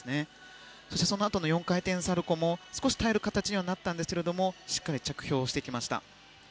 そのあとの４回転サルコウも少し耐える形になりましたがしっかり着氷してきました。